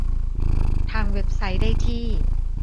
ทางเว็บไซต์ได้ที่